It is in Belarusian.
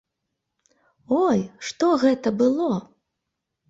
Ой, што гэта было?